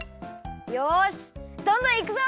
よしどんどんいくぞ！